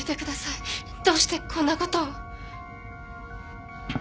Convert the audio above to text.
どうしてこんな事を？